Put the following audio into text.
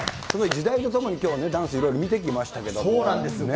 時代とともにきょうはね、ダンス、いろいろ見てきましたけれどもね。